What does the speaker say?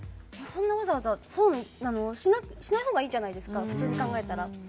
そんなわざわざ損なのしない方がいいじゃないですか普通に考えたら。